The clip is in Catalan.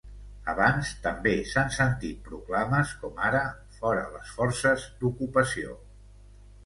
Abans també s’han sentit proclames com ara ‘Fora les forces d’ocupació’.